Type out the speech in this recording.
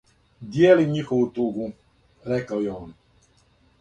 "Дијелим њихову тугу," рекао је он."